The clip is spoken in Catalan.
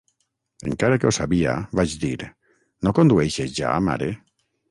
Encara que ho sabia, vaig dir, no condueixes ja mare?